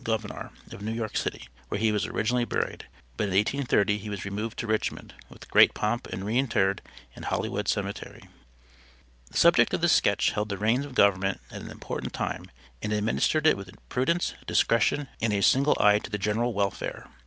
Gouverneur of New York city, where he was originally buried, but in 1830 he was removed to Richmond with great pomp and re interred in Holleywood Cemetery. The subject of this sketch held the reins of government at an important time and administered it with prudence, discretion, and a single eye to the general welfare.